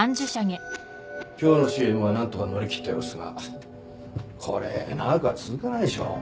今日のＣＭは何とか乗り切ったようですがこれ長くは続かないでしょう。